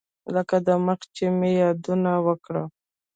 لکه دمخه چې مې یادونه وکړه.